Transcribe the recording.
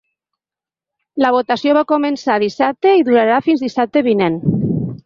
La votació va començar dissabte i durarà fins dissabte vinent.